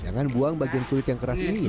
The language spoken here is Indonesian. jangan buang bagian kulit yang keras ini